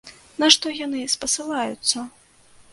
На што яны спасылаюцца?